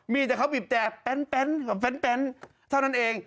มีแต่เขาบีบแต่แป้นกับแฟนเท่านั้นเอง